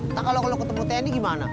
ntar kalo ketemu tni gimana